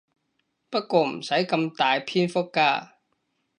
不過唔使咁大篇幅㗎